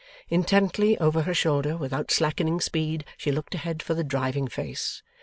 Intently over her shoulder, without slackening speed, she looked ahead for the driving face.